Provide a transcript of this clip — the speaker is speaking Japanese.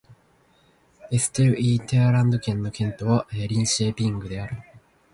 エステルイェータランド県の県都はリンシェーピングである